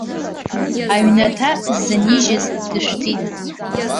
Аҩнаҭа ззынижьыз дышәҭит.